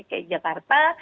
di luar dki jakarta